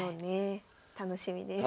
楽しみです。